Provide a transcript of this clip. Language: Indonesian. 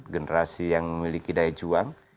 generasi yang memiliki daya juang